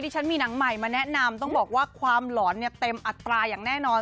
ฉันมีหนังใหม่มาแนะนำต้องบอกว่าความหลอนเนี่ยเต็มอัตราอย่างแน่นอน